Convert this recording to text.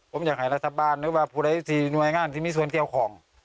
ผมอยากให้รัฐบาลหรือว่าผู้ใดที่หน่วยงานที่มีส่วนเกี่ยวข้อง